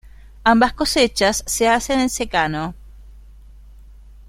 Ambas cosechas se hacen en secano.